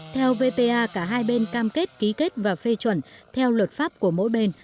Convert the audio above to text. theo vpa cả hai bên cam kết ký kết và phê chuẩn theo luật pháp của mỗi bên